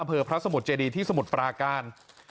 พระสมุทรเจดีที่สมุทรปราการ